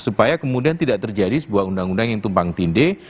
supaya kemudian tidak terjadi sebuah undang undang yang tumpang tindih